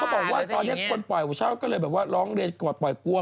บอกว่าตอนนี้คนปล่อยเช่าก็เลยแบบว่าร้องเรียนก่อนปล่อยกลัว